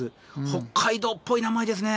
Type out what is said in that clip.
北海道っぽい名前ですね。